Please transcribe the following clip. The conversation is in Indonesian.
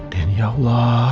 din ya allah